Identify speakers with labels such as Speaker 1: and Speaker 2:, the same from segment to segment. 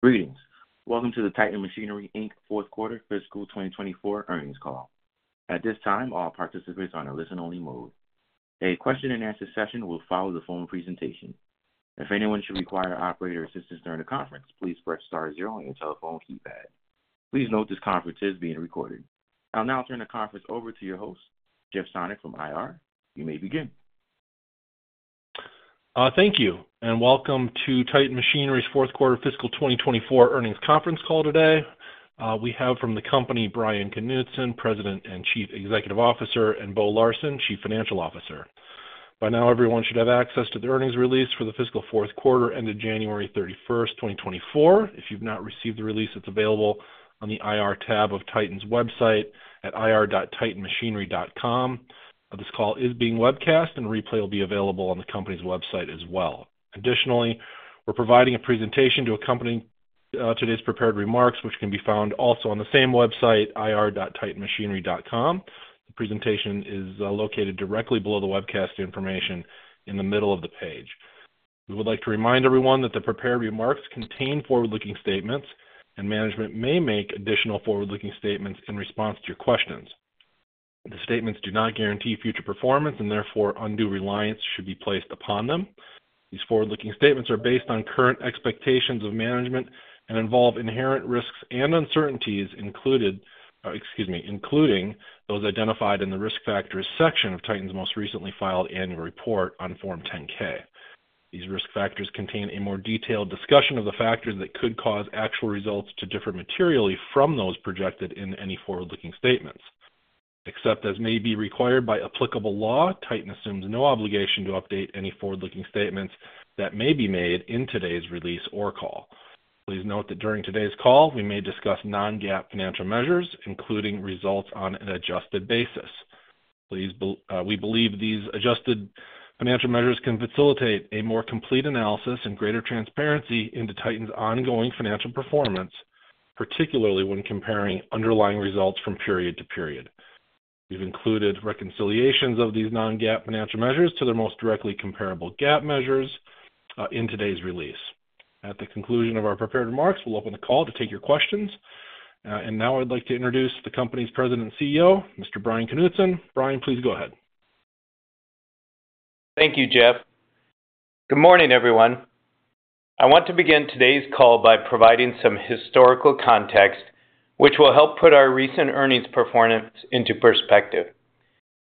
Speaker 1: Greetings. Welcome to the Titan Machinery, Inc., fourth quarter fiscal 2024 earnings call. At this time, all participants are in a listen-only mode. A question-and-answer session will follow the phone presentation. If anyone should require operator assistance during the conference, please press star zero on your telephone keypad. Please note this conference is being recorded. I'll now turn the conference over to your host, Jeff Sonneck, from IR. You may begin.
Speaker 2: Thank you, and welcome to Titan Machinery's fourth quarter fiscal 2024 earnings conference call today. We have from the company, Bryan Knutson, President and Chief Executive Officer, and Bo Larsen, Chief Financial Officer. By now, everyone should have access to the earnings release for the fiscal fourth quarter ended January 31st, 2024. If you've not received the release, it's available on the IR tab of Titan's website at irt.titanmachinery.com. This call is being webcast, and replay will be available on the company's website as well. Additionally, we're providing a presentation to accompany today's prepared remarks, which can be found also on the same website, ir.titanmachinery.com. The presentation is located directly below the webcast information in the middle of the page. We would like to remind everyone that the prepared remarks contain forward-looking statements, and management may make additional forward-looking statements in response to your questions. The statements do not guarantee future performance, and therefore undue reliance should be placed upon them. These forward-looking statements are based on current expectations of management and involve inherent risks and uncertainties including those identified in the risk factors section of Titan's most recently filed annual report on Form 10-K. These risk factors contain a more detailed discussion of the factors that could cause actual results to differ materially from those projected in any forward-looking statements. Except as may be required by applicable law, Titan assumes no obligation to update any forward-looking statements that may be made in today's release or call. Please note that during today's call, we may discuss non-GAAP financial measures, including results on an adjusted basis. We believe these adjusted financial measures can facilitate a more complete analysis and greater transparency into Titan's ongoing financial performance, particularly when comparing underlying results from period to period. We've included reconciliations of these non-GAAP financial measures to their most directly comparable GAAP measures in today's release. At the conclusion of our prepared remarks, we'll open the call to take your questions. And now I'd like to introduce the company's President and CEO, Mr. Bryan Knutson. Bryan, please go ahead.
Speaker 3: Thank you, Jeff. Good morning, everyone. I want to begin today's call by providing some historical context, which will help put our recent earnings performance into perspective.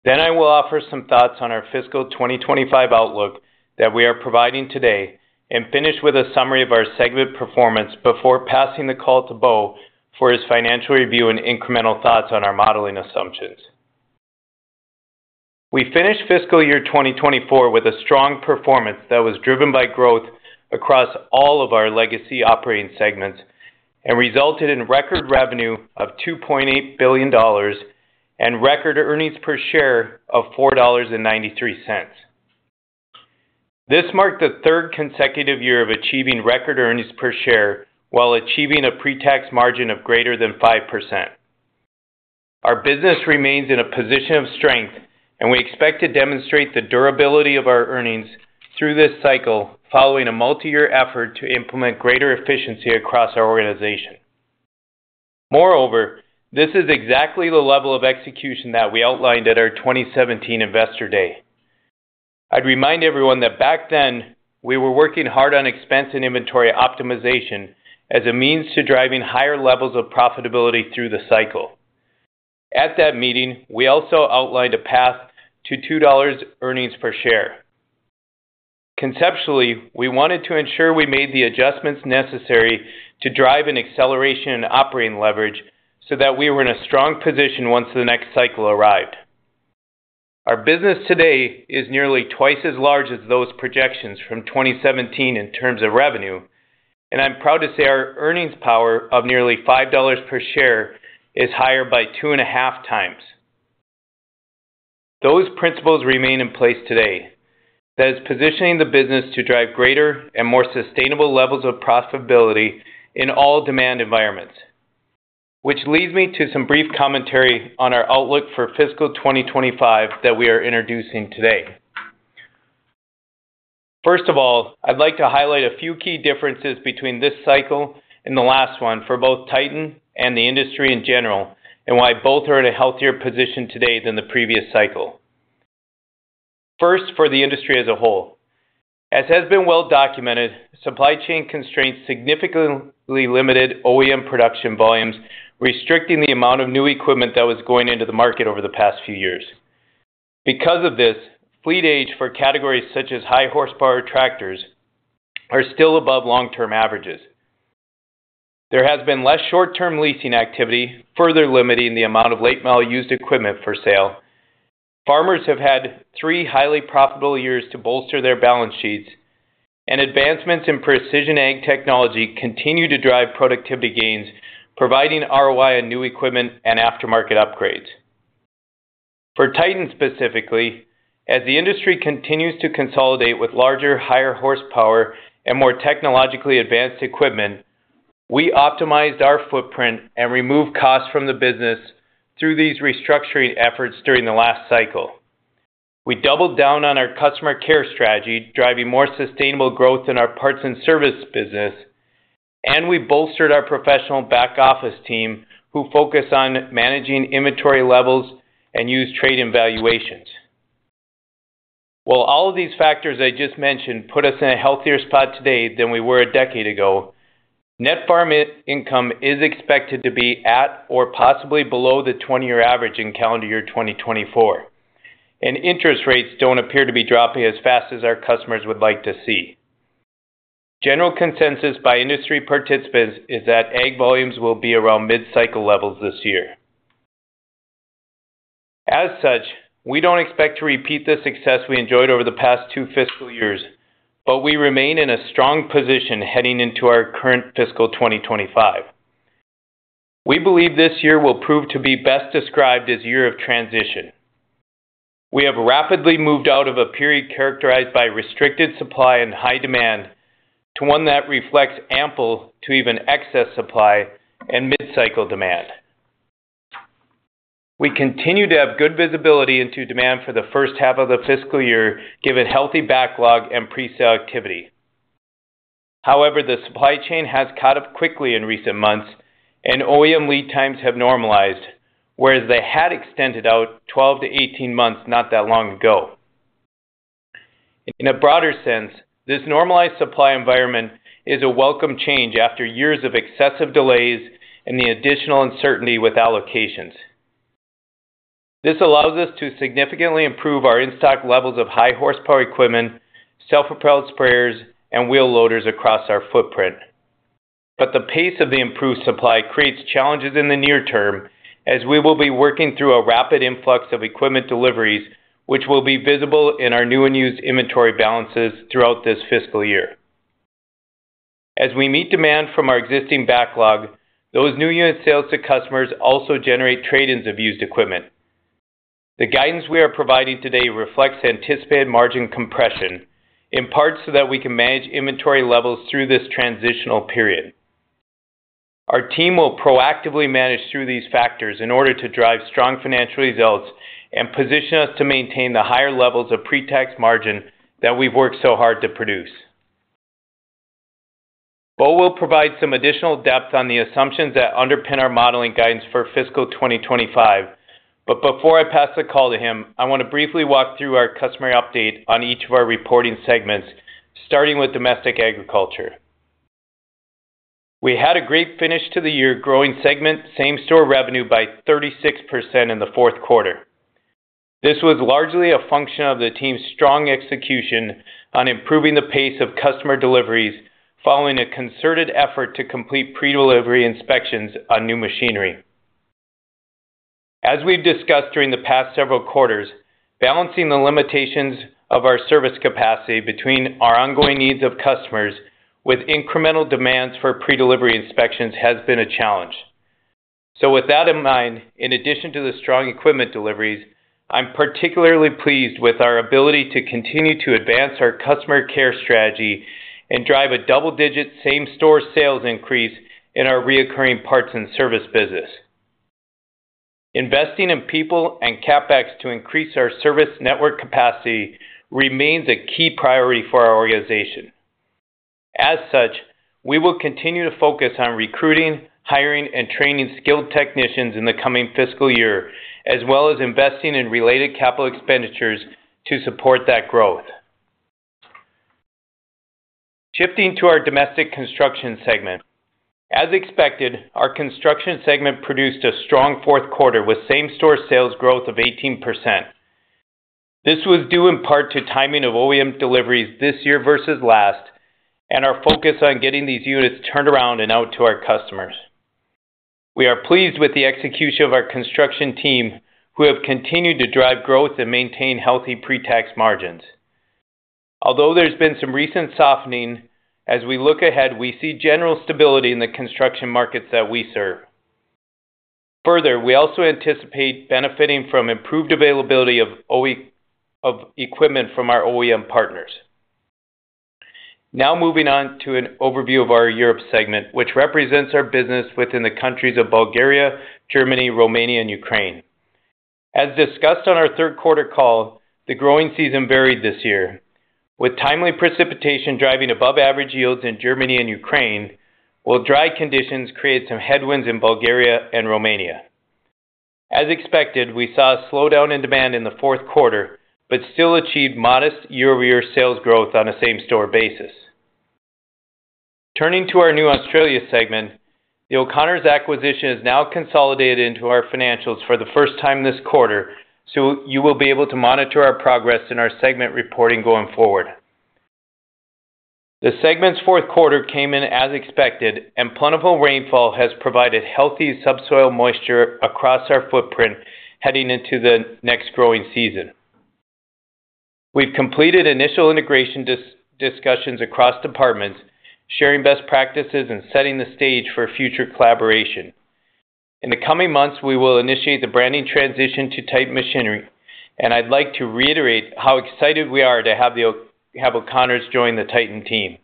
Speaker 3: Then I will offer some thoughts on our fiscal 2025 outlook that we are providing today, and finish with a summary of our segment performance before passing the call to Bo for his financial review and incremental thoughts on our modeling assumptions. We finished fiscal year 2024 with a strong performance that was driven by growth across all of our legacy operating segments and resulted in record revenue of $2.8 billion and record earnings per share of $4.93. This marked the third consecutive year of achieving record earnings per share while achieving a pretax margin of greater than 5%. Our business remains in a position of strength, and we expect to demonstrate the durability of our earnings through this cycle following a multi-year effort to implement greater efficiency across our organization. Moreover, this is exactly the level of execution that we outlined at our 2017 Investor Day. I'd remind everyone that back then, we were working hard on expense and inventory optimization as a means to driving higher levels of profitability through the cycle. At that meeting, we also outlined a path to $2 earnings per share. Conceptually, we wanted to ensure we made the adjustments necessary to drive an acceleration in operating leverage so that we were in a strong position once the next cycle arrived. Our business today is nearly twice as large as those projections from 2017 in terms of revenue, and I'm proud to say our earnings power of nearly $5 per share is higher by 2.5 times. Those principles remain in place today. That is positioning the business to drive greater and more sustainable levels of profitability in all demand environments. Which leads me to some brief commentary on our outlook for fiscal 2025 that we are introducing today. First of all, I'd like to highlight a few key differences between this cycle and the last one for both Titan and the industry in general, and why both are in a healthier position today than the previous cycle. First, for the industry as a whole. As has been well documented, supply chain constraints significantly limited OEM production volumes, restricting the amount of new equipment that was going into the market over the past few years. Because of this, fleet age for categories such as high horsepower tractors are still above long-term averages. There has been less short-term leasing activity, further limiting the amount of late-model used equipment for sale. Farmers have had three highly profitable years to bolster their balance sheets, and advancements in precision ag technology continue to drive productivity gains, providing ROI on new equipment and aftermarket upgrades. For Titan specifically, as the industry continues to consolidate with larger, higher horsepower and more technologically advanced equipment, we optimized our footprint and removed costs from the business through these restructuring efforts during the last cycle. We doubled down on our customer care strategy, driving more sustainable growth in our parts and service business, and we bolstered our professional back office team who focus on managing inventory levels and use trade evaluations. While all of these factors I just mentioned put us in a healthier spot today than we were a decade ago, net farm income is expected to be at or possibly below the 20-year average in calendar year 2024, and interest rates don't appear to be dropping as fast as our customers would like to see. General consensus by industry participants is that ag volumes will be around mid-cycle levels this year. As such, we don't expect to repeat the success we enjoyed over the past 2 fiscal years, but we remain in a strong position heading into our current fiscal 2025. We believe this year will prove to be best described as a year of transition. We have rapidly moved out of a period characterized by restricted supply and high demand to one that reflects ample to even excess supply and mid-cycle demand. We continue to have good visibility into demand for the first half of the fiscal year given healthy backlog and presale activity. However, the supply chain has caught up quickly in recent months, and OEM lead times have normalized, whereas they had extended out 12-18 months not that long ago. In a broader sense, this normalized supply environment is a welcome change after years of excessive delays and the additional uncertainty with allocations. This allows us to significantly improve our in-stock levels of high horsepower equipment, self-propelled sprayers, and wheel loaders across our footprint. But the pace of the improved supply creates challenges in the near term, as we will be working through a rapid influx of equipment deliveries, which will be visible in our new and used inventory balances throughout this fiscal year. As we meet demand from our existing backlog, those new units sales to customers also generate trade-ins of used equipment. The guidance we are providing today reflects anticipated margin compression, in part so that we can manage inventory levels through this transitional period. Our team will proactively manage through these factors in order to drive strong financial results and position us to maintain the higher levels of pretax margin that we've worked so hard to produce. Bo will provide some additional depth on the assumptions that underpin our modeling guidance for fiscal 2025, but before I pass the call to him, I want to briefly walk through our customer update on each of our reporting segments, starting with domestic agriculture. We had a great finish to the year growing segment same-store revenue by 36% in the fourth quarter. This was largely a function of the team's strong execution on improving the pace of customer deliveries following a concerted effort to complete pre-delivery inspections on new machinery. As we've discussed during the past several quarters, balancing the limitations of our service capacity between our ongoing needs of customers with incremental demands for pre-delivery inspections has been a challenge. So with that in mind, in addition to the strong equipment deliveries, I'm particularly pleased with our ability to continue to advance our customer care strategy and drive a double-digit same-store sales increase in our recurring parts and service business. Investing in people and CapEx to increase our service network capacity remains a key priority for our organization. As such, we will continue to focus on recruiting, hiring, and training skilled technicians in the coming fiscal year, as well as investing in related capital expenditures to support that growth. Shifting to our domestic construction segment. As expected, our construction segment produced a strong fourth quarter with same-store sales growth of 18%. This was due in part to timing of OEM deliveries this year versus last and our focus on getting these units turned around and out to our customers. We are pleased with the execution of our construction team, who have continued to drive growth and maintain healthy pretax margins. Although there's been some recent softening, as we look ahead, we see general stability in the construction markets that we serve. Further, we also anticipate benefiting from improved availability of equipment from our OEM partners. Now moving on to an overview of our Europe segment, which represents our business within the countries of Bulgaria, Germany, Romania, and Ukraine. As discussed on our third quarter call, the growing season varied this year. With timely precipitation driving above-average yields in Germany and Ukraine, while dry conditions create some headwinds in Bulgaria and Romania. As expected, we saw a slowdown in demand in the fourth quarter but still achieved modest year-over-year sales growth on a same-store basis. Turning to our new Australia segment, the O'Connors acquisition has now consolidated into our financials for the first time this quarter, so you will be able to monitor our progress in our segment reporting going forward. The segment's fourth quarter came in as expected, and plentiful rainfall has provided healthy subsoil moisture across our footprint heading into the next growing season. We've completed initial integration discussions across departments, sharing best practices and setting the stage for future collaboration. In the coming months, we will initiate the branding transition to Titan Machinery, and I'd like to reiterate how excited we are to have O'Connors join the Titan team.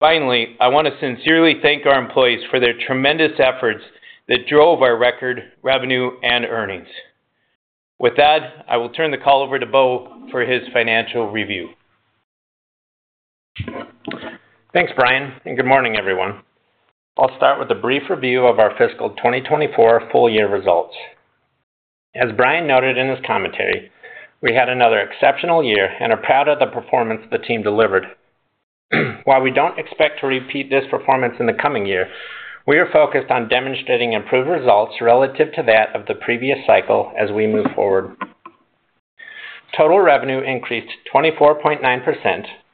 Speaker 3: Finally, I want to sincerely thank our employees for their tremendous efforts that drove our record revenue and earnings. With that, I will turn the call over to Bo for his financial review.
Speaker 4: Thanks, Bryan, and good morning, everyone. I'll start with a brief review of our fiscal 2024 full-year results. As Bryan noted in his commentary, we had another exceptional year and are proud of the performance the team delivered. While we don't expect to repeat this performance in the coming year, we are focused on demonstrating improved results relative to that of the previous cycle as we move forward. Total revenue increased 24.9%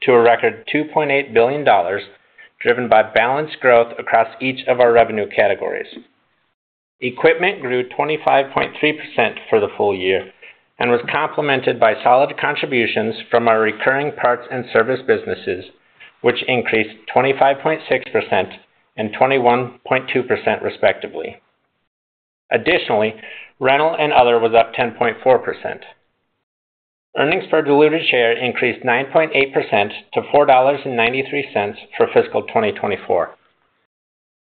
Speaker 4: to a record $2.8 billion, driven by balanced growth across each of our revenue categories. Equipment grew 25.3% for the full year and was complemented by solid contributions from our recurring parts and service businesses, which increased 25.6% and 21.2% respectively. Additionally, rental and other was up 10.4%. Earnings per diluted share increased 9.8% to $4.93 for fiscal 2024.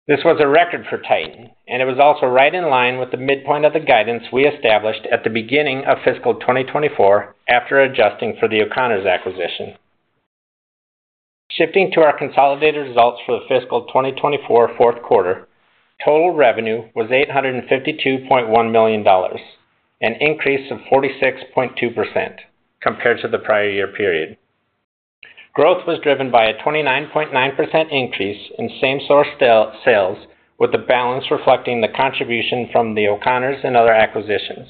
Speaker 4: This was a record for Titan, and it was also right in line with the midpoint of the guidance we established at the beginning of fiscal 2024 after adjusting for the O'Connors acquisition. Shifting to our consolidated results for the fiscal 2024 fourth quarter, total revenue was $852.1 million, an increase of 46.2% compared to the prior year period. Growth was driven by a 29.9% increase in same-store sales, with the balance reflecting the contribution from the O'Connors and other acquisitions.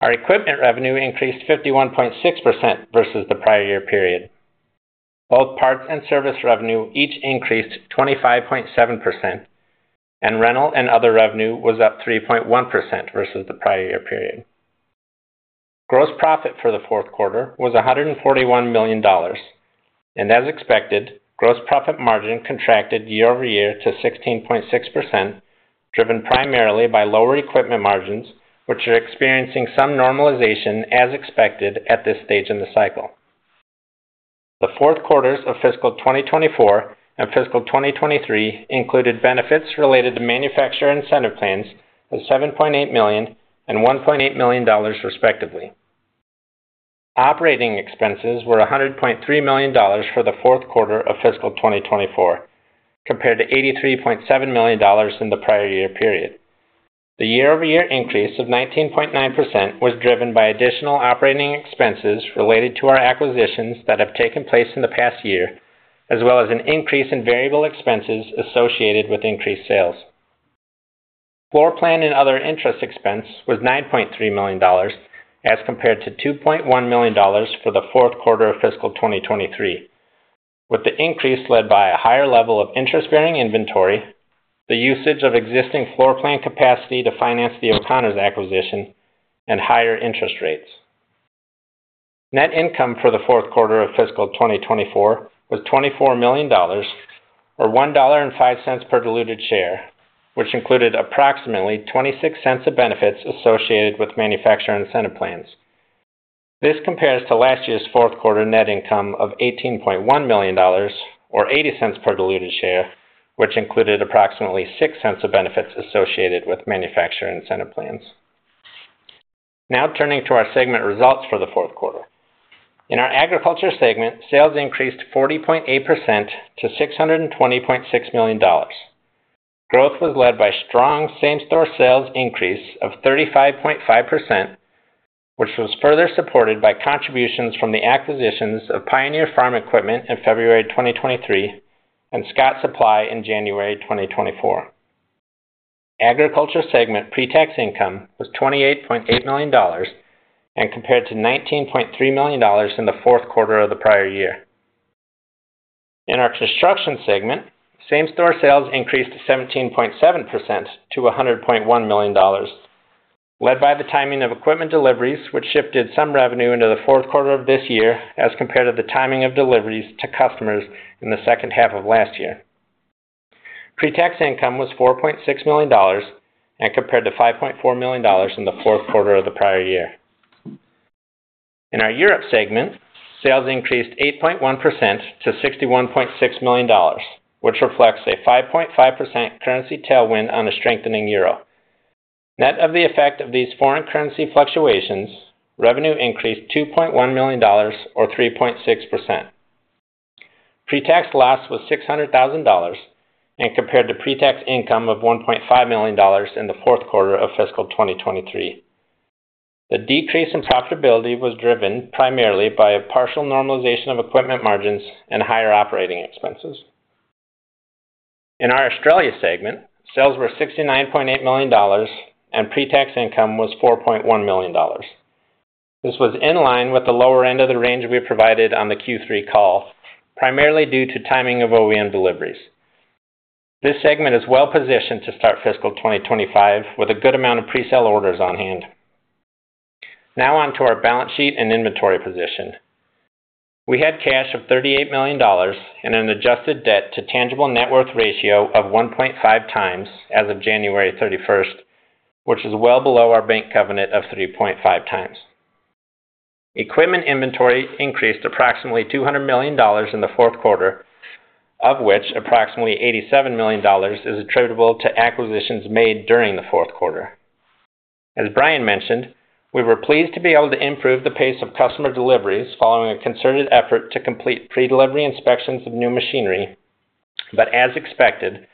Speaker 4: Our equipment revenue increased 51.6% versus the prior year period. Both parts and service revenue each increased 25.7%, and rental and other revenue was up 3.1% versus the prior year period. Gross profit for the fourth quarter was $141 million, and as expected, gross profit margin contracted year-over-year to 16.6%, driven primarily by lower equipment margins, which are experiencing some normalization as expected at this stage in the cycle. The fourth quarters of fiscal 2024 and fiscal 2023 included benefits related to manufacturer incentive plans of $7.8 million and $1.8 million respectively. Operating expenses were $100.3 million for the fourth quarter of fiscal 2024, compared to $83.7 million in the prior year period. The year-over-year increase of 19.9% was driven by additional operating expenses related to our acquisitions that have taken place in the past year, as well as an increase in variable expenses associated with increased sales. Floor plan and other interest expense was $9.3 million as compared to $2.1 million for the fourth quarter of fiscal 2023. With the increase led by a higher level of interest-bearing inventory, the usage of existing floor plan capacity to finance the O'Connors acquisition, and higher interest rates. Net income for the fourth quarter of fiscal 2024 was $24 million, or $1.05 per diluted share, which included approximately $0.26 of benefits associated with manufacturer incentive plans. This compares to last year's fourth quarter net income of $18.1 million, or $0.80 per diluted share, which included approximately $0.06 of benefits associated with manufacturer incentive plans. Now turning to our segment results for the fourth quarter. In our agriculture segment, sales increased 40.8% to $620.6 million. Growth was led by strong same-store sales increase of 35.5%, which was further supported by contributions from the acquisitions of Pioneer Farm Equipment in February 2023 and Scott Supply in January 2024. Agriculture segment pretax income was $28.8 million and compared to $19.3 million in the fourth quarter of the prior year. In our construction segment, same-store sales increased 17.7% to $100.1 million, led by the timing of equipment deliveries, which shifted some revenue into the fourth quarter of this year as compared to the timing of deliveries to customers in the second half of last year. Pretax income was $4.6 million and compared to $5.4 million in the fourth quarter of the prior year. In our Europe segment, sales increased 8.1% to $61.6 million, which reflects a 5.5% currency tailwind on a strengthening euro. Net of the effect of these foreign currency fluctuations, revenue increased $2.1 million, or 3.6%. Pretax loss was $600,000 and compared to pretax income of $1.5 million in the fourth quarter of fiscal 2023. The decrease in profitability was driven primarily by a partial normalization of equipment margins and higher operating expenses. In our Australia segment, sales were $69.8 million and pretax income was $4.1 million. This was in line with the lower end of the range we provided on the Q3 call, primarily due to timing of OEM deliveries. This segment is well positioned to start fiscal 2025 with a good amount of presale orders on hand. Now onto our balance sheet and inventory position. We had cash of $38 million and an Adjusted Debt to Tangible Net Worth Ratio of 1.5 times as of January 31st, which is well below our bank covenant of 3.5 times. Equipment inventory increased approximately $200 million in the fourth quarter, of which approximately $87 million is attributable to acquisitions made during the fourth quarter. As Bryan mentioned, we were pleased to be able to improve the pace of customer deliveries following a concerted effort to complete pre-delivery inspections of new machinery. But as expected,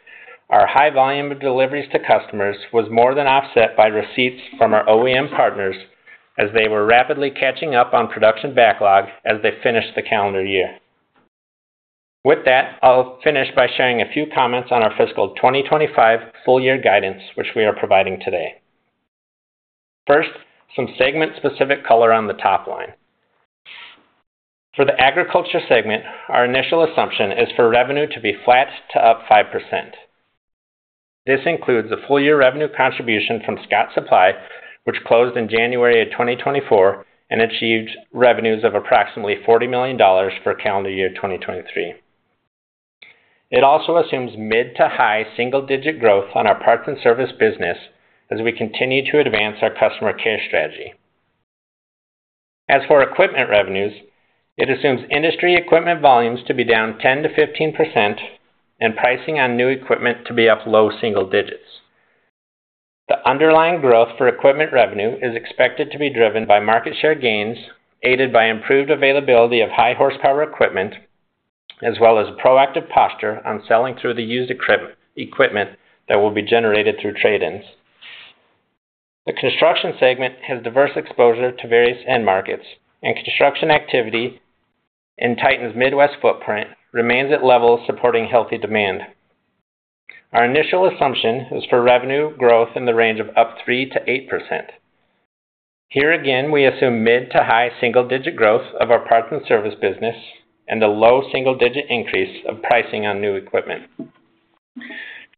Speaker 4: our high volume of deliveries to customers was more than offset by receipts from our OEM partners, as they were rapidly catching up on production backlog as they finished the calendar year. With that, I'll finish by sharing a few comments on our fiscal 2025 full-year guidance, which we are providing today. First, some segment-specific color on the top line. For the agriculture segment, our initial assumption is for revenue to be flat to up 5%. This includes a full-year revenue contribution from Scott Supply, which closed in January of 2024 and achieved revenues of approximately $40 million for calendar year 2023. It also assumes mid- to high single-digit growth on our parts and service business as we continue to advance our customer care strategy. As for equipment revenues, it assumes industry equipment volumes to be down 10%-15% and pricing on new equipment to be up low single digits. The underlying growth for equipment revenue is expected to be driven by market share gains aided by improved availability of high-horsepower equipment, as well as proactive posture on selling through the used equipment that will be generated through trade-ins. The construction segment has diverse exposure to various end markets, and construction activity in Titan's Midwest footprint remains at levels supporting healthy demand. Our initial assumption is for revenue growth in the range of up 3%-8%. Here again, we assume mid to high single-digit growth of our parts and service business and a low single-digit increase of pricing on new equipment.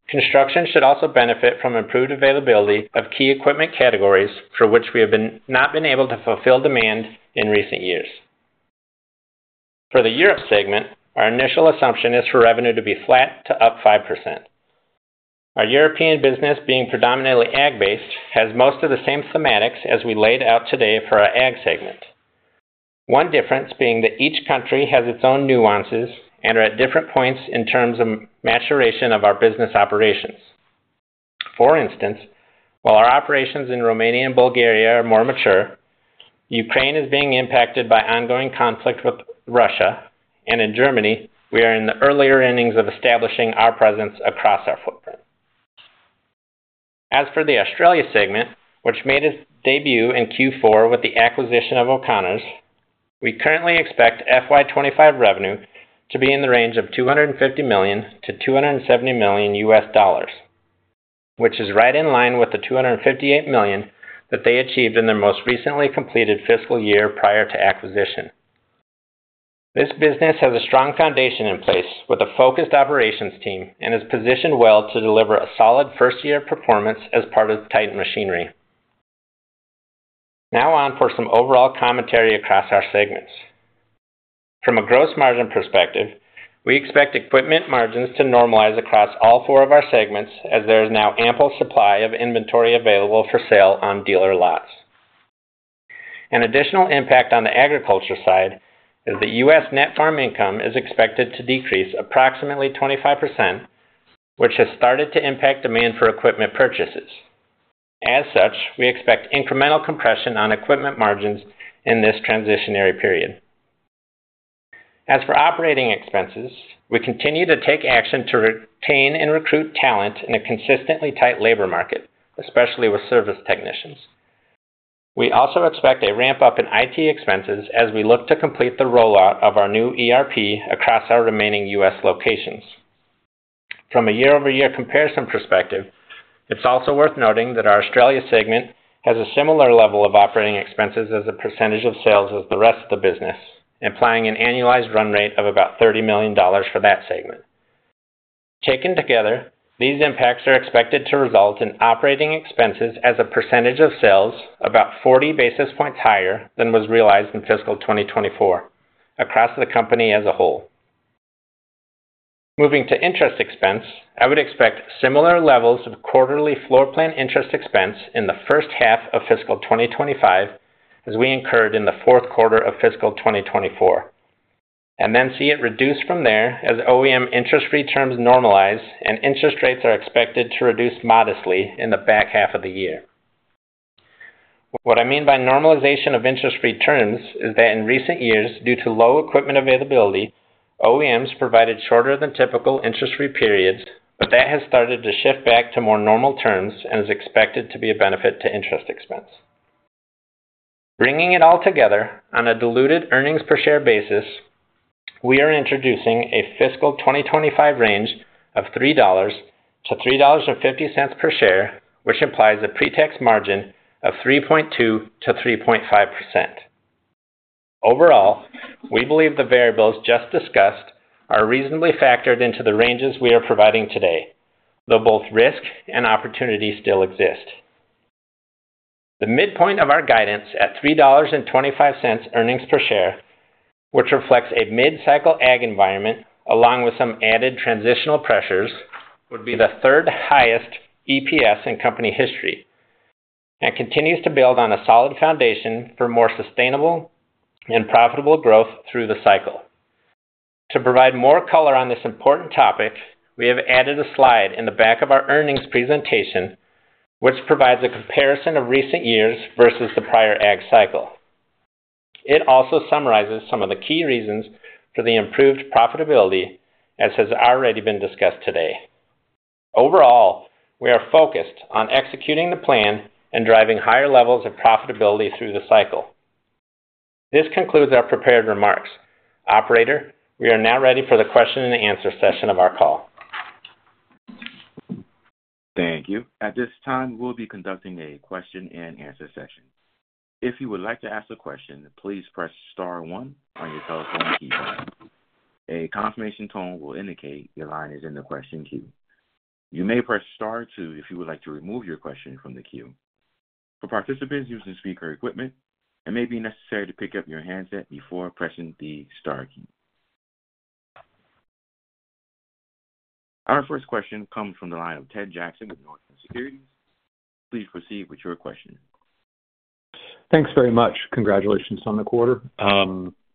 Speaker 4: Construction should also benefit from improved availability of key equipment categories for which we have not been able to fulfill demand in recent years. For the Europe segment, our initial assumption is for revenue to be flat to up 5%. Our European business, being predominantly ag-based, has most of the same thematics as we laid out today for our ag segment, one difference being that each country has its own nuances and are at different points in terms of maturation of our business operations. For instance, while our operations in Romania and Bulgaria are more mature, Ukraine is being impacted by ongoing conflict with Russia, and in Germany, we are in the earlier innings of establishing our presence across our footprint. As for the Australia segment, which made its debut in Q4 with the acquisition of O'Connors, we currently expect FY25 revenue to be in the range of $250 million-$270 million, which is right in line with the $258 million that they achieved in their most recently completed fiscal year prior to acquisition. This business has a strong foundation in place with a focused operations team and is positioned well to deliver a solid first-year performance as part of Titan Machinery. Now on for some overall commentary across our segments. From a gross margin perspective, we expect equipment margins to normalize across all four of our segments as there is now ample supply of inventory available for sale on dealer lots. An additional impact on the agriculture side is that U.S. net farm income is expected to decrease approximately 25%, which has started to impact demand for equipment purchases. As such, we expect incremental compression on equipment margins in this transitionary period. As for operating expenses, we continue to take action to retain and recruit talent in a consistently tight labor market, especially with service technicians. We also expect a ramp-up in IT expenses as we look to complete the rollout of our new ERP across our remaining U.S. locations. From a year-over-year comparison perspective, it's also worth noting that our Australia segment has a similar level of operating expenses as a percentage of sales as the rest of the business, implying an annualized run rate of about $30 million for that segment. Taken together, these impacts are expected to result in operating expenses as a percentage of sales about 40 basis points higher than was realized in fiscal 2024 across the company as a whole. Moving to interest expense, I would expect similar levels of quarterly floor plan interest expense in the first half of fiscal 2025 as we incurred in the fourth quarter of fiscal 2024, and then see it reduce from there as OEM interest-free terms normalize and interest rates are expected to reduce modestly in the back half of the year. What I mean by normalization of interest-free terms is that in recent years, due to low equipment availability, OEMs provided shorter than typical interest-free periods, but that has started to shift back to more normal terms and is expected to be a benefit to interest expense. Bringing it all together, on a diluted earnings per share basis, we are introducing a fiscal 2025 range of $3-$3.50 per share, which implies a pretax margin of 3.2%-3.5%. Overall, we believe the variables just discussed are reasonably factored into the ranges we are providing today, though both risk and opportunity still exist. The midpoint of our guidance at $3.25 earnings per share, which reflects a mid-cycle ag environment along with some added transitional pressures, would be the third highest EPS in company history and continues to build on a solid foundation for more sustainable and profitable growth through the cycle. To provide more color on this important topic, we have added a slide in the back of our earnings presentation, which provides a comparison of recent years versus the prior ag cycle. It also summarizes some of the key reasons for the improved profitability, as has already been discussed today. Overall, we are focused on executing the plan and driving higher levels of profitability through the cycle. This concludes our prepared remarks. Operator, we are now ready for the question-and-answer session of our call.
Speaker 1: Thank you. At this time, we'll be conducting a question-and-answer session. If you would like to ask a question, please press star one on your telephone keypad. A confirmation tone will indicate your line is in the question queue. You may press star two if you would like to remove your question from the queue. For participants using speaker equipment, it may be necessary to pick up your handset before pressing the star key. Our first question comes from the line of Ted Jackson with Northland Securities. Please proceed with your question.
Speaker 5: Thanks very much. Congratulations, Sonneck,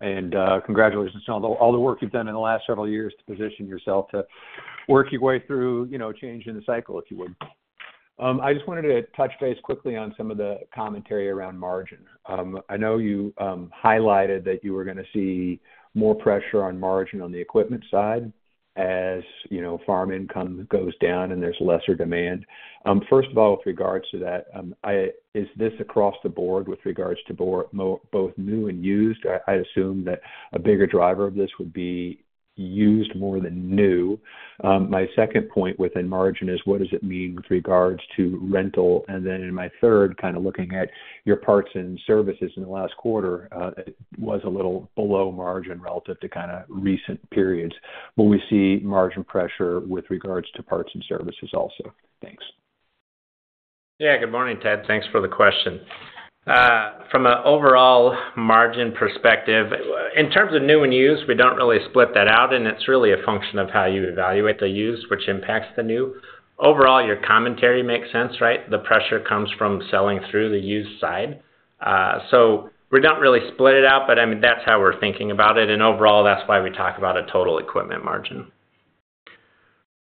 Speaker 5: and congratulations on all the work you've done in the last several years to position yourself to work your way through a change in the cycle, if you would. I just wanted to touch base quickly on some of the commentary around margin. I know you highlighted that you were going to see more pressure on margin on the equipment side as farm income goes down and there's lesser demand. First of all, with regards to that, is this across the board with regards to both new and used? I assume that a bigger driver of this would be used more than new. My second point within margin is, what does it mean with regards to rental? And then in my third, kind of looking at your parts and services in the last quarter, it was a little below margin relative to kind of recent periods. Will we see margin pressure with regards to parts and services also? Thanks.
Speaker 4: Yeah. Good morning, Ted. Thanks for the question. From an overall margin perspective, in terms of new and used, we don't really split that out, and it's really a function of how you evaluate the used, which impacts the new. Overall, your commentary makes sense, right? The pressure comes from selling through the used side. So we don't really split it out, but I mean, that's how we're thinking about it. And overall, that's why we talk about a total equipment margin.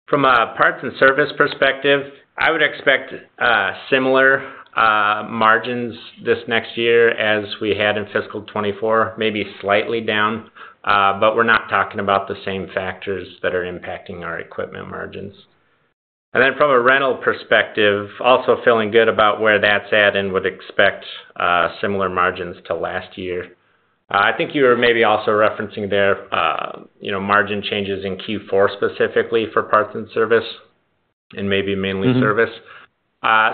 Speaker 4: From a parts and service perspective, I would expect similar margins this next year as we had in Fiscal 2024, maybe slightly down, but we're not talking about the same factors that are impacting our equipment margins. And then from a rental perspective, also feeling good about where that's at and would expect similar margins to last year. I think you were maybe also referencing their margin changes in Q4 specifically for parts and service and maybe mainly service.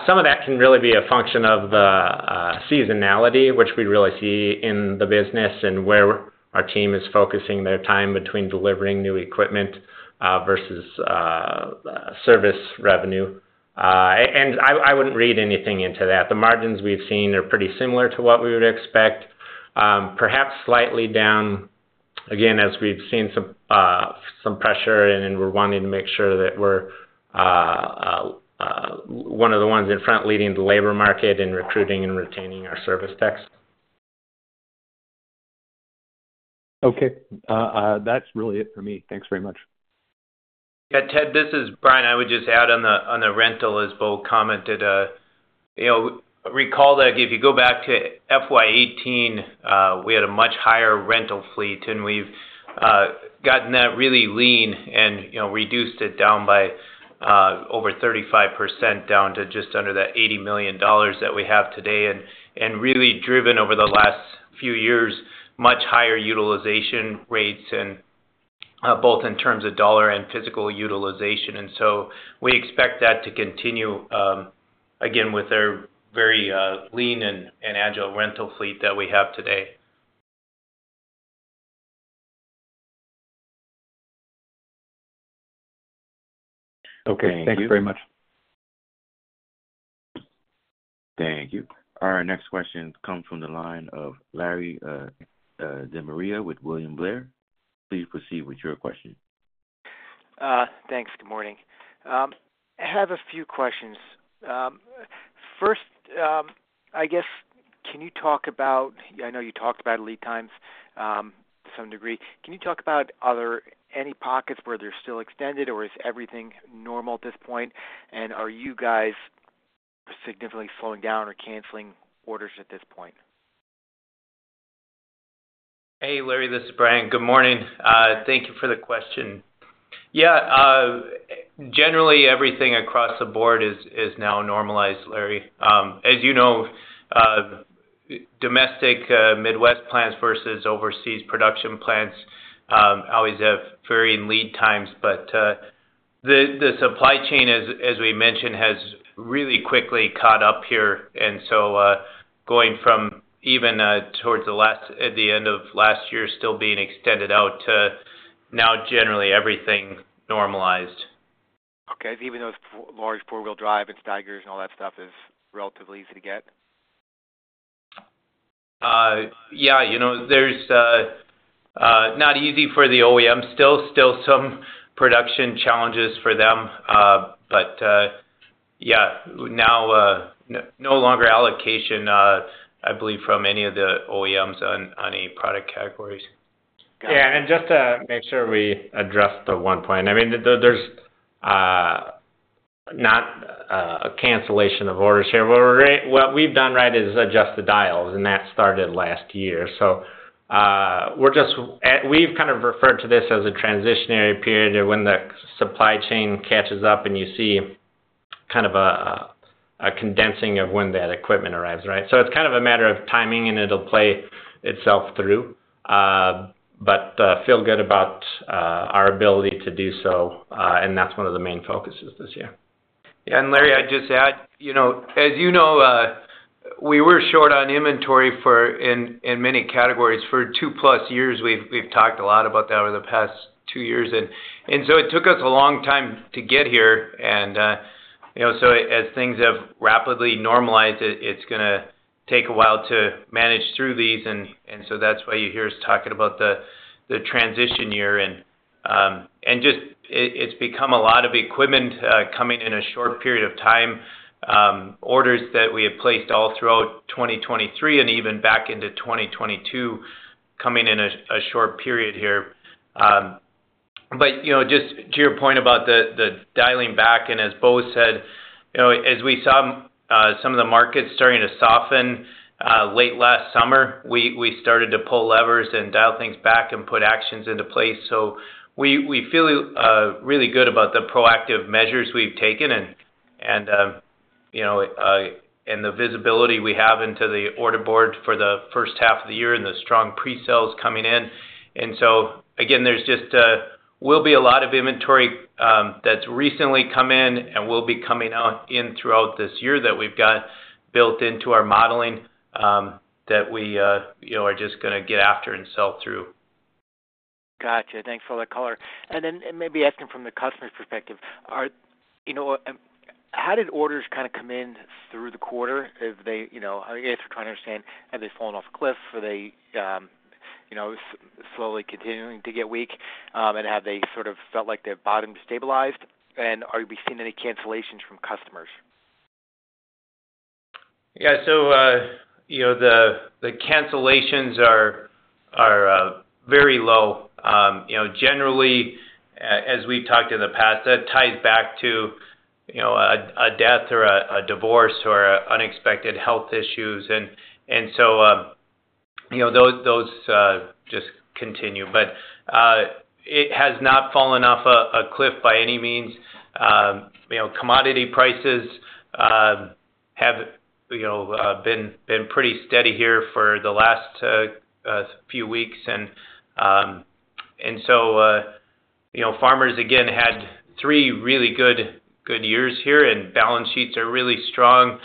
Speaker 4: Some of that can really be a function of the seasonality, which we really see in the business and where our team is focusing their time between delivering new equipment versus service revenue. And I wouldn't read anything into that. The margins we've seen are pretty similar to what we would expect, perhaps slightly down, again, as we've seen some pressure and we're wanting to make sure that we're one of the ones in front leading the labor market in recruiting and retaining our service techs.
Speaker 5: Okay. That's really it for me. Thanks very much.
Speaker 3: Yeah, Ted, this is Bryan. I would just add on the rental, as Bo commented, recall that if you go back to FY18, we had a much higher rental fleet, and we've gotten that really lean and reduced it down by over 35% down to just under that $80 million that we have today and really driven over the last few years much higher utilization rates both in terms of dollar and physical utilization. And so we expect that to continue, again, with our very lean and agile rental fleet that we have today.
Speaker 5: Okay. Thanks very much.
Speaker 1: Thank you. Our next question comes from the line of Larry DeMaria with William Blair. Please proceed with your question.
Speaker 6: Thanks. Good morning. I have a few questions. First, I guess, can you talk about, I know you talked about lead times to some degree. Can you talk about any pockets where they're still extended, or is everything normal at this point? And are you guys significantly slowing down or canceling orders at this point?
Speaker 3: Hey, Larry. This is Bryan. Good morning. Thank you for the question. Yeah. Generally, everything across the board is now normalized, Larry. As you know, domestic Midwest plants versus overseas production plants always have varying lead times. But the supply chain, as we mentioned, has really quickly caught up here. And so going from even towards the end of last year, still being extended out to now generally everything normalized.
Speaker 6: Okay. Even those large four-wheel drive and Steigers and all that stuff is relatively easy to get?
Speaker 3: Yeah. Not easy for the OEMs. Still some production challenges for them. But yeah, now no longer allocation, I believe, from any of the OEMs on any product categories.
Speaker 4: Yeah. Just to make sure we address the one point, I mean, there's not a cancellation of orders here. What we've done right is adjust the dials, and that started last year. We've kind of referred to this as a transitionary period of when the supply chain catches up and you see kind of a condensing of when that equipment arrives, right? It's kind of a matter of timing, and it'll play itself through. But feel good about our ability to do so, and that's one of the main focuses this year.
Speaker 3: Yeah. And Larry, I'd just add, as you know, we were short on inventory in many categories for 2+ years. We've talked a lot about that over the past 2 years. And so it took us a long time to get here. And so as things have rapidly normalized, it's going to take a while to manage through these. And so that's why you hear us talking about the transition year. And it's become a lot of equipment coming in a short period of time, orders that we had placed all throughout 2023 and even back into 2022 coming in a short period here. But just to your point about the dialing back, and as Bo said, as we saw some of the markets starting to soften late last summer, we started to pull levers and dial things back and put actions into place. We feel really good about the proactive measures we've taken and the visibility we have into the order board for the first half of the year and the strong presales coming in. So again, there'll just be a lot of inventory that's recently come in and will be coming in throughout this year that we've got built into our modeling that we are just going to get after and sell through.
Speaker 6: Gotcha. Thanks for that color. And then maybe asking from the customer's perspective, how did orders kind of come in through the quarter? I guess we're trying to understand, have they fallen off a cliff? Are they slowly continuing to get weak? And have they sort of felt like their bottom stabilized? And are we seeing any cancellations from customers?
Speaker 3: Yeah. So the cancellations are very low. Generally, as we've talked in the past, that ties back to a death or a divorce or unexpected health issues. And so those just continue. But it has not fallen off a cliff by any means. Commodity prices have been pretty steady here for the last few weeks. And so farmers, again, had three really good years here, and balance sheets are really strong,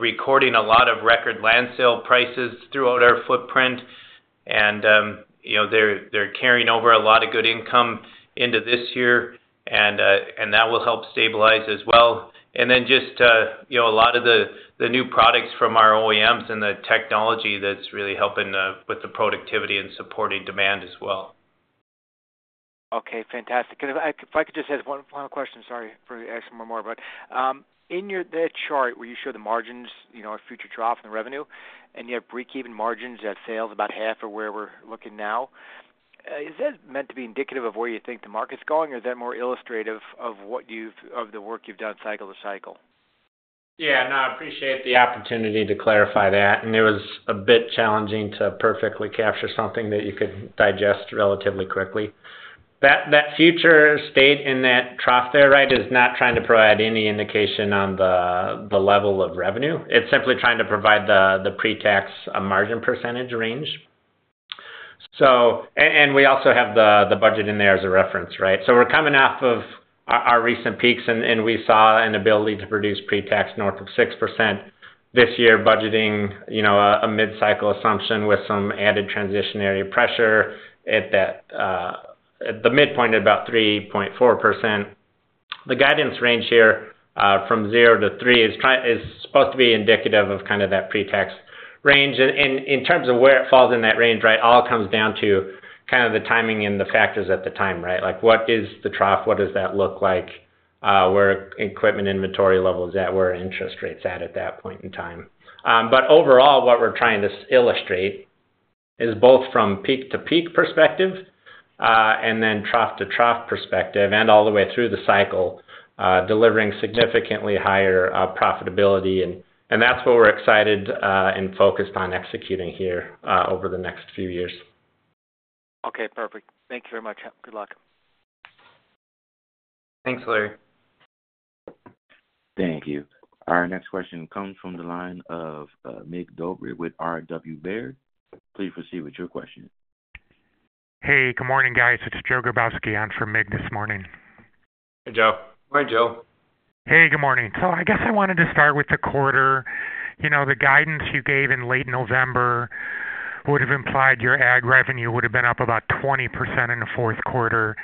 Speaker 3: recording a lot of record land sale prices throughout our footprint. And they're carrying over a lot of good income into this year, and that will help stabilize as well. And then just a lot of the new products from our OEMs and the technology that's really helping with the productivity and supporting demand as well.
Speaker 6: Okay. Fantastic. If I could just ask one final question. Sorry for asking one more. But in that chart where you show the margins, a future drop in the revenue, and you have break-even margins at sales, about half of where we're looking now, is that meant to be indicative of where you think the market's going, or is that more illustrative of the work you've done cycle to cycle?
Speaker 4: Yeah. No, I appreciate the opportunity to clarify that. And it was a bit challenging to perfectly capture something that you could digest relatively quickly. That future state in that trough there, right, is not trying to provide any indication on the level of revenue. It's simply trying to provide the pretax margin percentage range. And we also have the budget in there as a reference, right? So we're coming off of our recent peaks, and we saw an ability to produce pretax north of 6% this year, budgeting a mid-cycle assumption with some added transitionary pressure at the midpoint at about 3.4%. The guidance range here from 0%-3% is supposed to be indicative of kind of that pretax range. And in terms of where it falls in that range, right, all comes down to kind of the timing and the factors at the time, right? What is the trough? What does that look like? Where equipment inventory level is at? Where are interest rates at at that point in time? But overall, what we're trying to illustrate is both from peak-to-peak perspective and then trough-to-trough perspective and all the way through the cycle, delivering significantly higher profitability. And that's what we're excited and focused on executing here over the next few years.
Speaker 6: Okay. Perfect. Thank you very much. Good luck.
Speaker 4: Thanks, Larry.
Speaker 1: Thank you. Our next question comes from the line of Mircea Dobre with Baird. Please proceed with your question.
Speaker 7: Hey. Good morning, guys. It's Joe Grabowski. I'm from Mig this morning.
Speaker 4: Hey, Joe.
Speaker 3: Morning, Joe.
Speaker 7: Hey. Good morning. So I guess I wanted to start with the quarter. The guidance you gave in late November would have implied your ag revenue would have been up about 20% in the fourth quarter.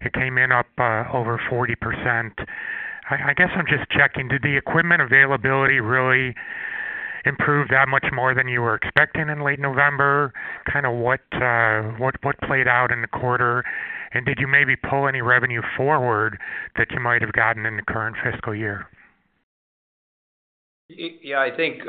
Speaker 7: It came in up over 40%. I guess I'm just checking. Did the equipment availability really improve that much more than you were expecting in late November? Kind of what played out in the quarter? And did you maybe pull any revenue forward that you might have gotten in the current fiscal year?
Speaker 3: Yeah. I think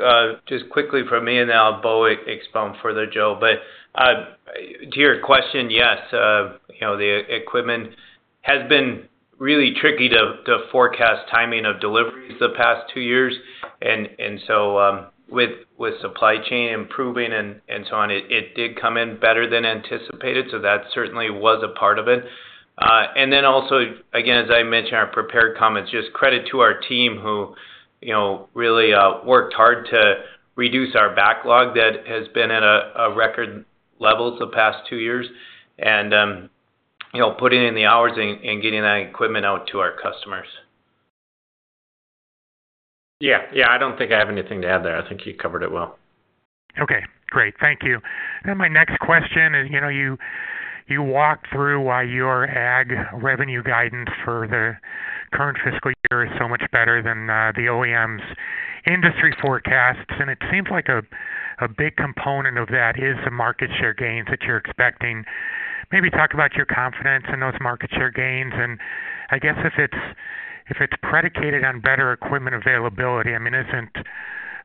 Speaker 3: just quickly from me and now, Bo expanding further, Joe. But to your question, yes, the equipment has been really tricky to forecast timing of deliveries the past two years. And so with supply chain improving and so on, it did come in better than anticipated. So that certainly was a part of it. And then also, again, as I mentioned in our prepared comments, just credit to our team who really worked hard to reduce our backlog that has been at record levels the past two years and putting in the hours and getting that equipment out to our customers.
Speaker 4: Yeah. Yeah. I don't think I have anything to add there. I think you covered it well.
Speaker 7: Okay. Great. Thank you. My next question is you walked through why your ag revenue guidance for the current fiscal year is so much better than the OEM's industry forecasts. It seems like a big component of that is the market share gains that you're expecting. Maybe talk about your confidence in those market share gains. I guess if it's predicated on better equipment availability, I mean, isn't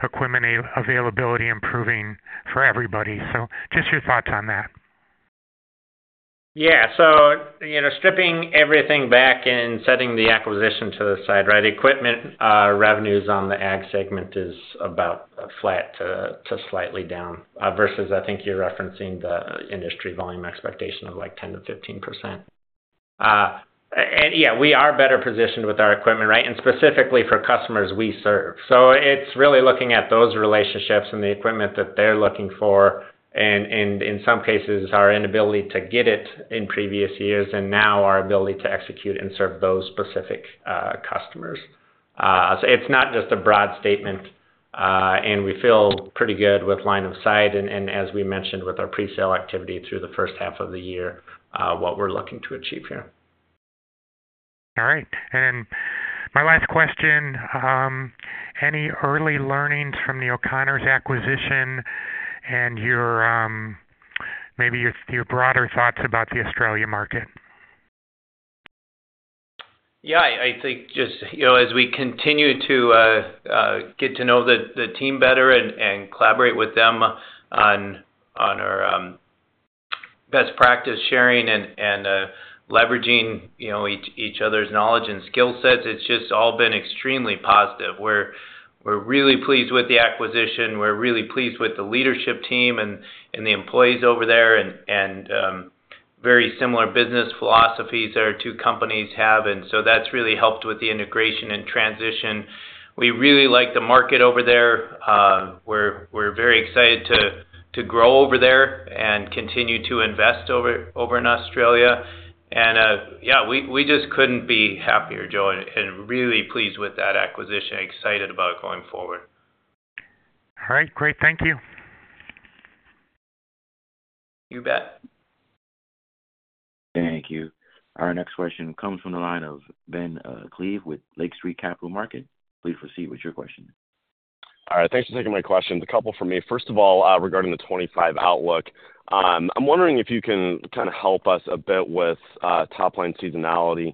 Speaker 7: equipment availability improving for everybody? Just your thoughts on that.
Speaker 3: Yeah. So stripping everything back and setting the acquisition to the side, right, equipment revenues on the ag segment is about flat to slightly down versus I think you're referencing the industry volume expectation of like 10%-15%. And yeah, we are better positioned with our equipment, right, and specifically for customers we serve. So it's really looking at those relationships and the equipment that they're looking for and in some cases, our inability to get it in previous years and now our ability to execute and serve those specific customers. So it's not just a broad statement. And we feel pretty good with line of sight and, as we mentioned, with our presale activity through the first half of the year, what we're looking to achieve here.
Speaker 7: All right. My last question, any early learnings from the O'Connors acquisition and maybe your broader thoughts about the Australia market?
Speaker 3: Yeah. I think just as we continue to get to know the team better and collaborate with them on our best practice sharing and leveraging each other's knowledge and skill sets, it's just all been extremely positive. We're really pleased with the acquisition. We're really pleased with the leadership team and the employees over there and very similar business philosophies that our two companies have. And so that's really helped with the integration and transition. We really like the market over there. We're very excited to grow over there and continue to invest over in Australia. And yeah, we just couldn't be happier, Joe, and really pleased with that acquisition, excited about it going forward.
Speaker 7: All right. Great. Thank you.
Speaker 3: You bet.
Speaker 1: Thank you. Our next question comes from the line of Ben Klieve with Lake Street Capital Markets. Please proceed with your question.
Speaker 8: All right. Thanks for taking my question. A couple for me. First of all, regarding the 2025 outlook, I'm wondering if you can kind of help us a bit with top-line seasonality.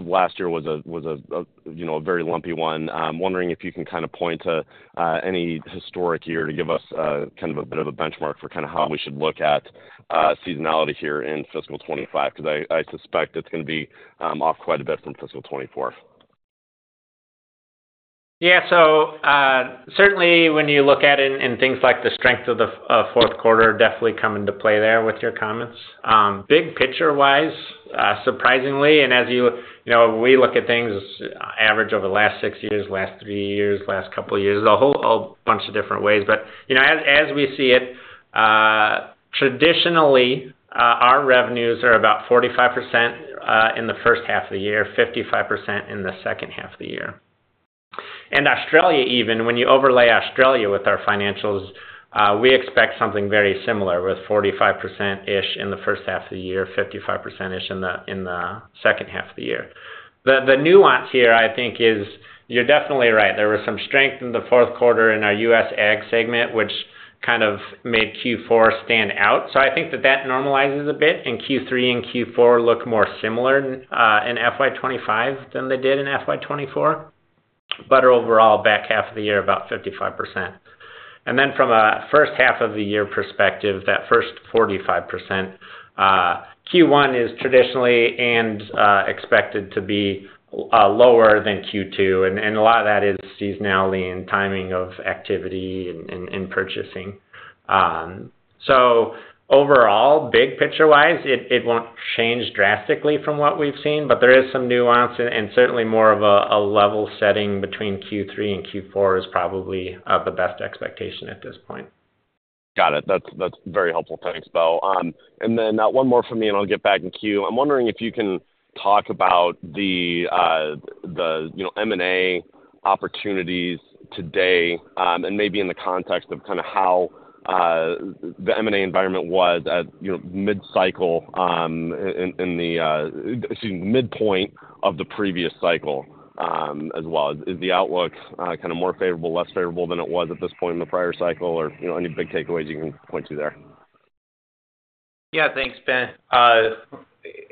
Speaker 8: Last year was a very lumpy one. I'm wondering if you can kind of point to any historic year to give us kind of a bit of a benchmark for kind of how we should look at seasonality here in fiscal 2025 because I suspect it's going to be off quite a bit from fiscal 2024.
Speaker 4: Yeah. So certainly, when you look at it and things like the strength of the fourth quarter, definitely come into play there with your comments. Big picture-wise, surprisingly, and as we look at things, average over the last six years, last three years, last couple of years, a whole bunch of different ways. But as we see it, traditionally, our revenues are about 45% in the first half of the year, 55% in the second half of the year. And Australia even, when you overlay Australia with our financials, we expect something very similar with 45%-ish in the first half of the year, 55%-ish in the second half of the year. The nuance here, I think, is you're definitely right. There was some strength in the fourth quarter in our US ag segment, which kind of made Q4 stand out. So I think that that normalizes a bit. Q3 and Q4 look more similar in FY25 than they did in FY24, but are overall back half of the year about 55%. Then from a first half of the year perspective, that first 45%, Q1 is traditionally and expected to be lower than Q2. A lot of that is seasonality and timing of activity and purchasing. Overall, big picture-wise, it won't change drastically from what we've seen, but there is some nuance and certainly more of a level setting between Q3 and Q4 is probably the best expectation at this point.
Speaker 8: Got it. That's very helpful. Thanks, Bo. And then one more from me, and I'll get back in queue. I'm wondering if you can talk about the M&A opportunities today and maybe in the context of kind of how the M&A environment was at mid-cycle in the excuse me, midpoint of the previous cycle as well. Is the outlook kind of more favorable, less favorable than it was at this point in the prior cycle, or any big takeaways you can point to there?
Speaker 4: Yeah. Thanks, Ben.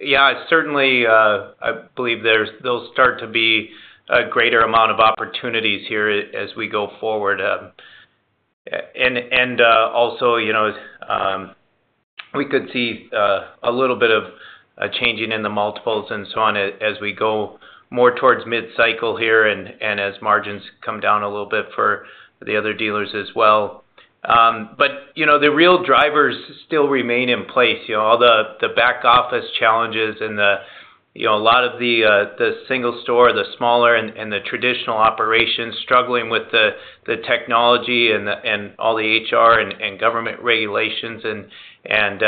Speaker 4: Yeah. Certainly, I believe there'll start to be a greater amount of opportunities here as we go forward. And also, we could see a little bit of changing in the multiples and so on as we go more towards mid-cycle here and as margins come down a little bit for the other dealers as well. But the real drivers still remain in place, all the back-office challenges and a lot of the single store, the smaller, and the traditional operations struggling with the technology and all the HR and government regulations and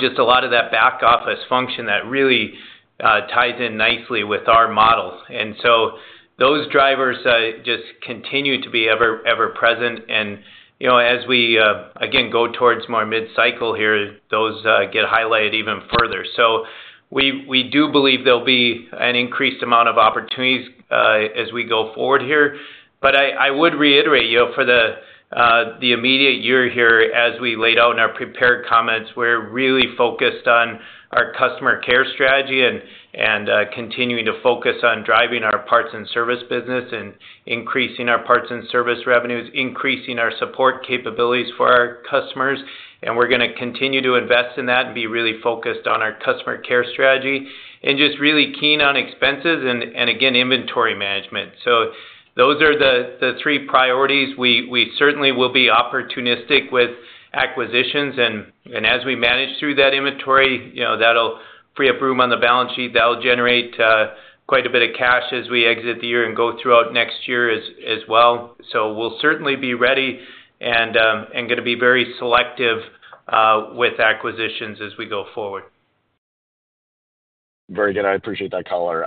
Speaker 4: just a lot of that back-office function that really ties in nicely with our models. And so those drivers just continue to be ever-present. And as we, again, go towards more mid-cycle here, those get highlighted even further. So we do believe there'll be an increased amount of opportunities as we go forward here.
Speaker 3: But I would reiterate, for the immediate year here, as we laid out in our prepared comments, we're really focused on our customer care strategy and continuing to focus on driving our parts and service business and increasing our parts and service revenues, increasing our support capabilities for our customers. And we're going to continue to invest in that and be really focused on our customer care strategy and just really keen on expenses and, again, inventory management. So those are the three priorities. We certainly will be opportunistic with acquisitions. And as we manage through that inventory, that'll free up room on the balance sheet. That'll generate quite a bit of cash as we exit the year and go throughout next year as well. So we'll certainly be ready and going to be very selective with acquisitions as we go forward.
Speaker 8: Very good. I appreciate that caller.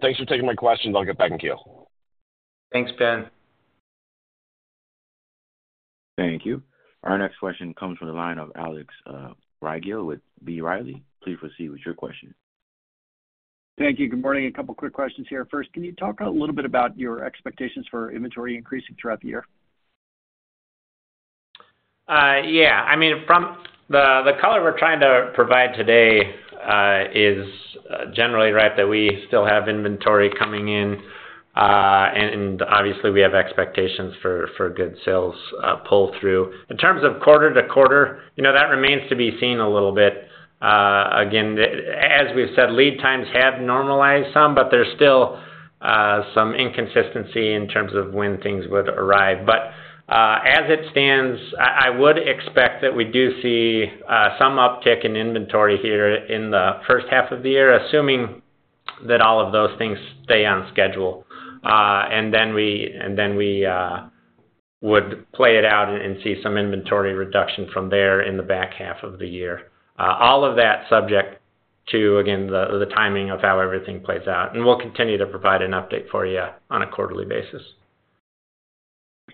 Speaker 8: Thanks for taking my questions. I'll get back in queue.
Speaker 3: Thanks, Ben.
Speaker 1: Thank you. Our next question comes from the line of Alex Rygiel with B. Riley. Please proceed with your question.
Speaker 9: Thank you. Good morning. A couple of quick questions here. First, can you talk a little bit about your expectations for inventory increasing throughout the year?
Speaker 4: Yeah. I mean, the color we're trying to provide today is generally right, that we still have inventory coming in. And obviously, we have expectations for good sales pull-through. In terms of quarter to quarter, that remains to be seen a little bit. Again, as we've said, lead times have normalized some, but there's still some inconsistency in terms of when things would arrive. But as it stands, I would expect that we do see some uptick in inventory here in the first half of the year, assuming that all of those things stay on schedule. And then we would play it out and see some inventory reduction from there in the back half of the year, all of that subject to, again, the timing of how everything plays out. And we'll continue to provide an update for you on a quarterly basis.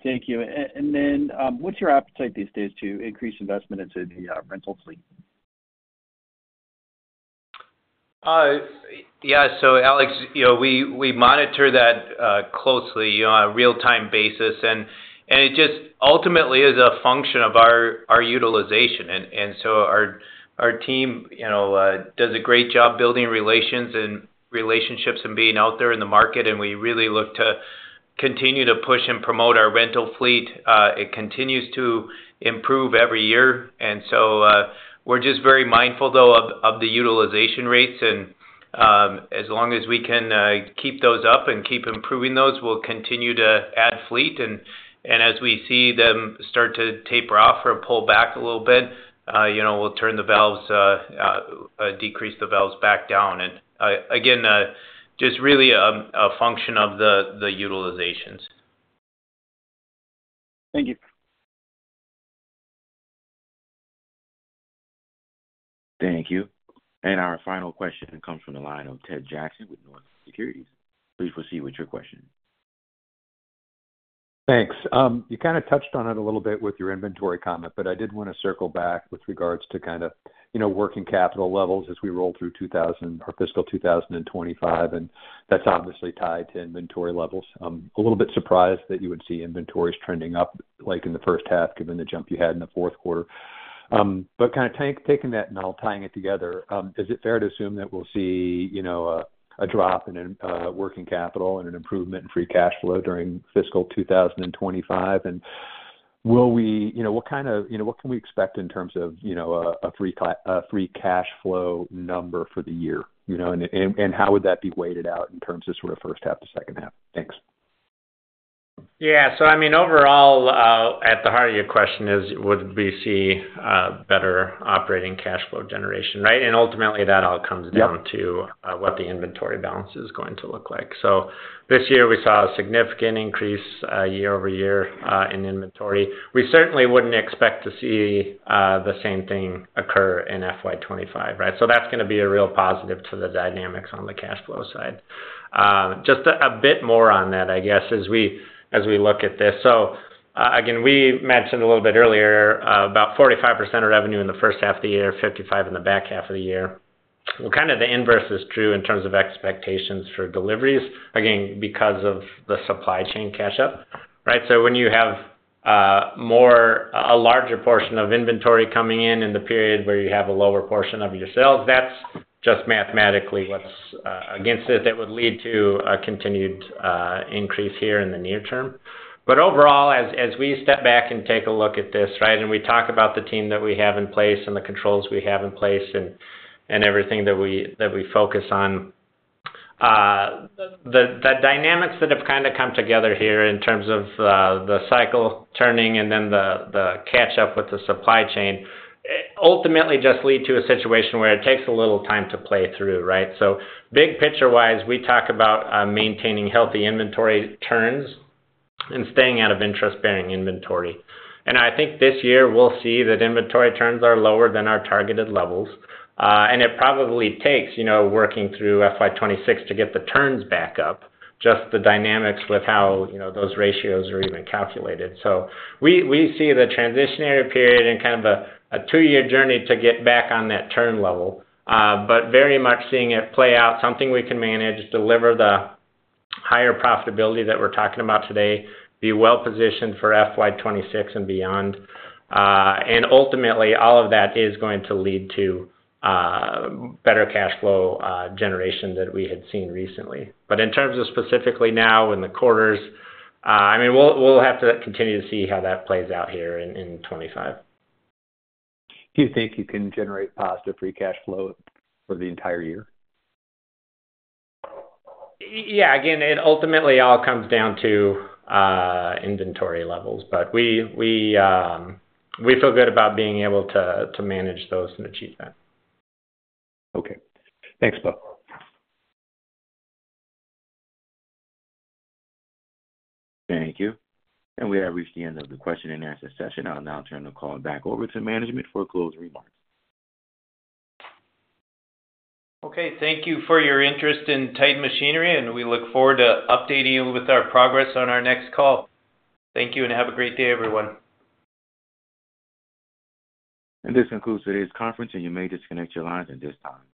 Speaker 9: Thank you. And then what's your appetite these days to increase investment into the rental fleet?
Speaker 3: Yeah. So Alex, we monitor that closely on a real-time basis. And it just ultimately is a function of our utilization. And so our team does a great job building relations and relationships and being out there in the market. And we really look to continue to push and promote our rental fleet. It continues to improve every year. And so we're just very mindful, though, of the utilization rates. And as long as we can keep those up and keep improving those, we'll continue to add fleet. And as we see them start to taper off or pull back a little bit, we'll turn the valves, decrease the valves back down. And again, just really a function of the utilizations.
Speaker 9: Thank you.
Speaker 1: Thank you. Our final question comes from the line of Ted Jackson with Northland Securities. Please proceed with your question.
Speaker 5: Thanks. You kind of touched on it a little bit with your inventory comment, but I did want to circle back with regards to kind of working capital levels as we roll through our fiscal 2025. And that's obviously tied to inventory levels. A little bit surprised that you would see inventories trending up in the first half given the jump you had in the fourth quarter. But kind of taking that and all tying it together, is it fair to assume that we'll see a drop in working capital and an improvement in free cash flow during fiscal 2025? And will we what kind of what can we expect in terms of a free cash flow number for the year? And how would that be weighted out in terms of sort of first half to second half? Thanks.
Speaker 4: Yeah. So I mean, overall, at the heart of your question is would we see better operating cash flow generation, right? And ultimately, that all comes down to what the inventory balance is going to look like. So this year, we saw a significant increase year-over-year in inventory. We certainly wouldn't expect to see the same thing occur in FY25, right? So that's going to be a real positive to the dynamics on the cash flow side. Just a bit more on that, I guess, as we look at this. So again, we mentioned a little bit earlier about 45% of revenue in the first half of the year, 55% in the back half of the year. Well, kind of the inverse is true in terms of expectations for deliveries, again, because of the supply chain catch-up, right? When you have a larger portion of inventory coming in in the period where you have a lower portion of your sales, that's just mathematically what's against it that would lead to a continued increase here in the near term. But overall, as we step back and take a look at this, right, and we talk about the team that we have in place and the controls we have in place and everything that we focus on, the dynamics that have kind of come together here in terms of the cycle turning and then the catch-up with the supply chain ultimately just lead to a situation where it takes a little time to play through, right? So big picture-wise, we talk about maintaining healthy inventory turns and staying out of interest-bearing inventory. I think this year, we'll see that inventory turns are lower than our targeted levels. It probably takes working through FY26 to get the turns back up, just the dynamics with how those ratios are even calculated. So we see the transitional period and kind of a two-year journey to get back on that turn level, but very much seeing it play out, something we can manage, deliver the higher profitability that we're talking about today, be well-positioned for FY26 and beyond. And ultimately, all of that is going to lead to better cash flow generation than we had seen recently. But in terms of specifically now in the quarters, I mean, we'll have to continue to see how that plays out here in 2025.
Speaker 5: Do you think you can generate positive free cash flow for the entire year?
Speaker 4: Yeah. Again, it ultimately all comes down to inventory levels. But we feel good about being able to manage those and achieve that.
Speaker 5: Okay. Thanks, Bo.
Speaker 1: Thank you. We have reached the end of the question-and-answer session. I'll now turn the call back over to management for closing remarks.
Speaker 3: Okay. Thank you for your interest in Titan Machinery, and we look forward to updating you with our progress on our next call. Thank you, and have a great day, everyone.
Speaker 1: This concludes today's conference, and you may disconnect your lines at this time.